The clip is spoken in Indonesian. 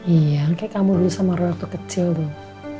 iya kayak kamu dulu sama rona tuh kecil dong